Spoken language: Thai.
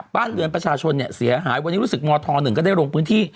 บ้านเรือนประชาชนเนี่ยเสียหายวันนี้รู้สึกมธ๑ก็ได้ลงพื้นที่